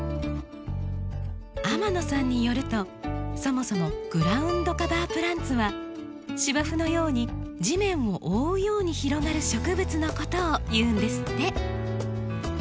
天野さんによるとそもそもグラウンドカバープランツは芝生のように地面を覆うように広がる植物のことをいうんですって。